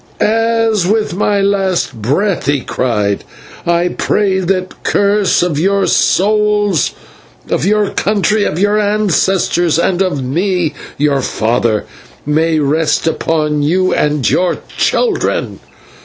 "As with my last breath," he cried, "I pray that the curse of your gods, of your country, of your ancestors, and of me, your father, may rest upon you and your children.